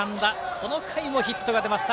この回もヒットが出ました。